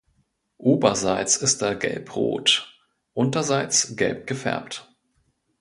Oberseits ist er gelbrot, unterseits gelb gefärbt.